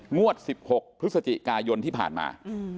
งวด๑๖พฤศจิกายนที่ผ่านมา